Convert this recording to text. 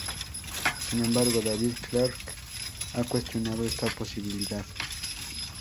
Sin embargo, David Clarke ha cuestionado esta posibilidad.